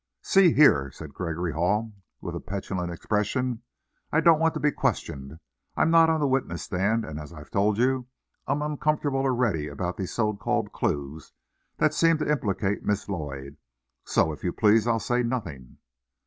"See here," said Gregory Hall, with a petulant expression, "I don't want to be questioned. I'm not on the witness stand, and, as I've told you, I'm uncomfortable already about these so called `clues' that seem to implicate Miss Lloyd. So, if you please, I'll say nothing."